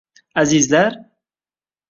Azizlar!